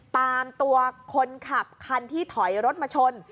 ตามตัวคนขับคันที่ถอยรถมาชน